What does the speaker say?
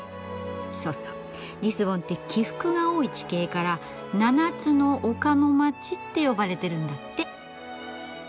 そうそうリスボンって起伏が多い地形から「７つの丘の街」って呼ばれてるんだって。